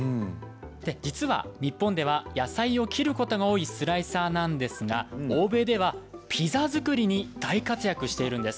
日本では野菜を切ることが多いスライサーなんですが欧米ではピザ作りに大活躍しているんです。